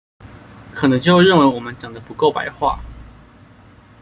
可能就會認為我們講得不夠白話